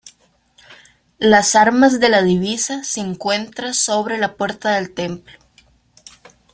Las armas de la Divisa se encuentra sobre la puerta del templo.